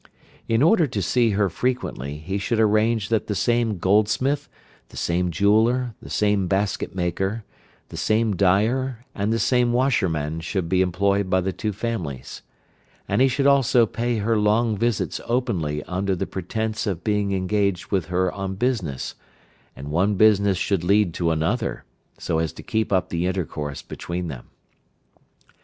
In order to see her frequently he should arrange that the same goldsmith, the same jeweller, the same basket maker, the same dyer, and the same washerman should be employed by the two families. And he should also pay her long visits openly under the pretence of being engaged with her on business, and one business should lead to another, so as to keep up the intercourse between them.